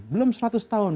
belum seratus tahun